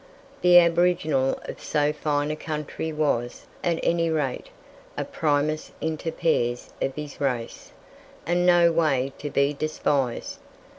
The aboriginal of so fine a country was, at any rate, a primus inter pares of his race, and no way to be despised.